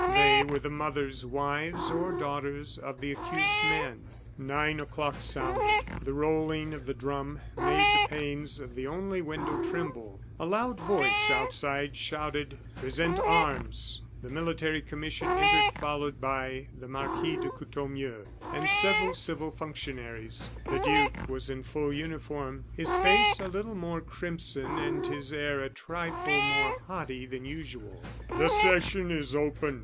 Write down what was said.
They were the mothers, wives, or daughters of the accused men. Nine o'clock sounded. The rolling of the drum made the panes of the only window tremble. A loud voice outside shouted, "Present arms!" The military commission entered, followed by the Marquis de Courtornieu and several civil functionaries. The duke was in full uniform, his face a little more crimson, and his air a trifle more haughty than usual. "The session is open!"